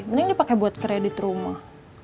mending dipakai buat kredit rumah